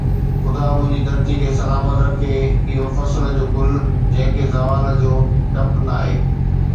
خدا منهنجي ڌرتي کي سلامت رکي. اُهو فصل جو گل، جنهن کي زوال جو ڊپ ناهي